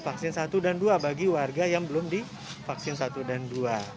vaksin satu dan dua bagi warga yang belum divaksin satu dan dua